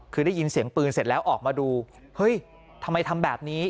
คือได้ยินเสียงปืนเสร็จแล้วออกมาดูเฮ้ยทำไมทำแบบนี้